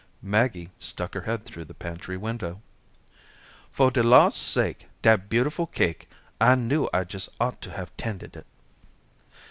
Maggie stuck her head through the pantry window. "For de law's sake dat beau'ful cake. I knew I jes' ought to have 'tended it."